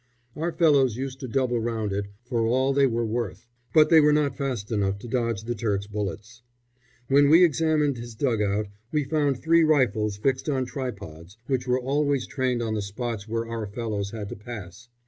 Our fellows used to double round it for all they were worth, but they were not fast enough to dodge the Turk's bullets. When we examined his dug out we found three rifles fixed on tripods, which were always trained on the spots where our fellows had to pass.